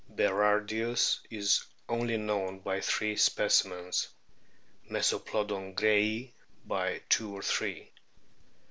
Berardius is only known by three specimens, Meso plodon grayi by two or three.